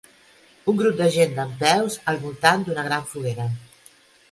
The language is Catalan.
Un grup de gent dempeus al voltant d'una gran foguera.